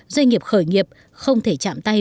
doanh nghiệp khởi nghiệp không thể chạm tay